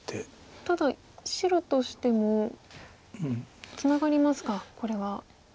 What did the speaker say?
ただ白としてもツナがりますかこれは。